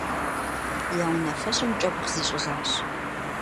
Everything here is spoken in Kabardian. Я унафэщӏым кӀэбгъу зищӀыжащ.